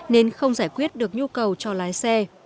nên không giải quyết được nhu cầu cho lái xe